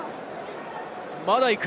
まだ行く。